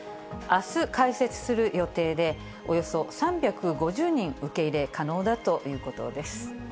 あす開設する予定で、およそ３５０人受け入れ可能だということです。